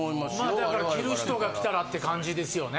だから着る人が着たらって感じですよね。